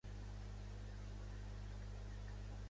Què li passa a Orland?